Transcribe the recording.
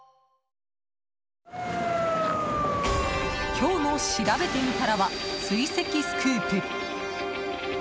今日のしらべてみたらは追跡スクープ！